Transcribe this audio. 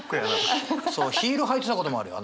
そうヒール履いてたこともあるよ